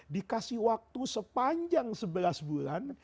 dikasih waktu sepanjang sebelas bulan